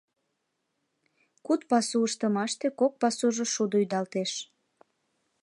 Куд пасу ыштымаште кок пасужо шудо ӱдалтеш.